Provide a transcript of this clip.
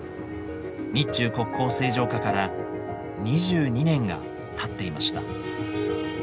日中国交正常化から２２年がたっていました。